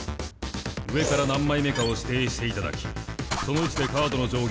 上から何枚目かを指定していただきその位置でカードの上下を入れ替えます。